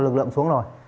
lực lượng xuống rồi